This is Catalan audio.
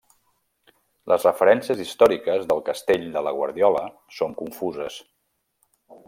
Les referències històriques del castell de la Guardiola són confuses.